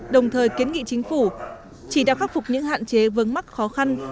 đồng thời kiến nghị chính phủ chỉ đạo khắc phục những hạn chế vớng mắc khó khăn